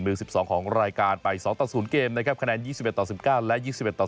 มือ๑๒ของรายการไป๒๐เกมคะแนน๒๑๑๙และ๒๑๑๔